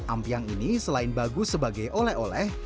ampiang ini selain bagus sebagai oleh oleh